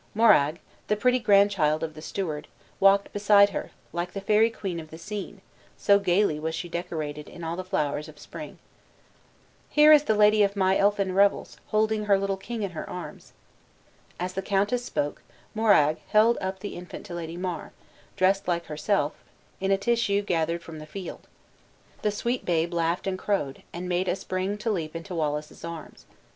Moraig, the pretty grandchild of the steward, walked beside her, like the fairy queen of the scene, so gayly was she decorated in all the flowers of spring. "Here is the lady of my elfin revels, holding her little king in her arms!" As the countess spoke, Moraig held up the infant to Lady Mar, dressed like herself, in a tissue gathered from the field. The sweet babe laughed and crowed, and made a spring to leap into Wallace's arms.